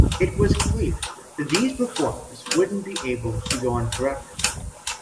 It was clear that these performers wouldn't be able to go on forever.